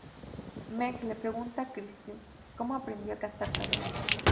Meg le pregunta a Christine cómo aprendió a cantar tan bien.